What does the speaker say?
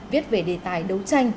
viết về đề tài đấu tranh